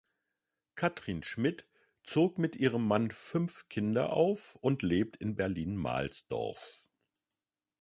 Kathrin Schmidt zog mit ihrem Mann fünf Kinder auf und lebt in Berlin-Mahlsdorf.